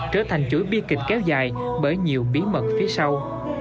trở thành chuỗi bi kịch kéo dài bởi nhiều bí mật phía sau